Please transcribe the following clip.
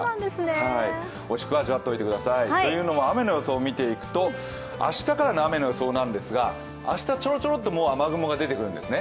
おいしく味わっておいてください。というのも雨の予想を見ていくと、明日、ちょろちょろっと雨雲が出てくるんですね。